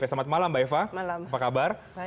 selamat malam mbak eva apa kabar